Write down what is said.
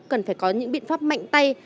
cần phải có những biện pháp mạnh tay